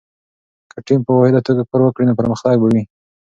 که ټیم په واحده توګه کار وکړي، نو پرمختګ به وي.